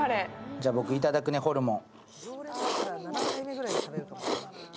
じゃあ、僕、いただくね、ホルモン。